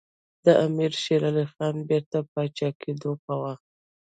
د امیر شېر علي خان بیرته پاچا کېدلو په وخت.